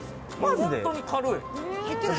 本当に軽い。